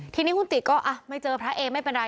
ทีนี้คุณติก็ไม่เจอพระเอไม่เป็นไร